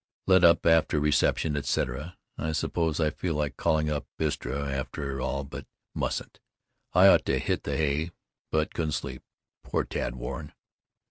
Let up after reception etc. I suppose. I feel like calling up Istra, after all, but mustn't. I ought to hit the hay, but I couldn't sleep. Poor Tad Warren.